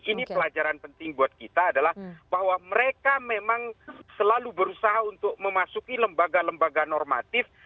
ini pelajaran penting buat kita adalah bahwa mereka memang selalu berusaha untuk memasuki lembaga lembaga normatif